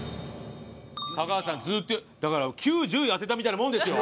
高畑さんだから９位１０位当てたみたいなもんですよ。